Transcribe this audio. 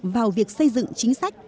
vào việc xây dựng chính sách